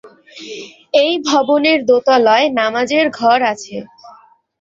এই ভবনের দোতলায় নামাজের ঘর আছে।